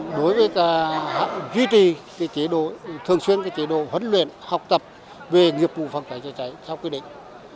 đối với ta duy trì cái chế độ thường xuyên cái chế độ huấn luyện học tập về nghiệp vụ phòng cháy trị cháy theo quy định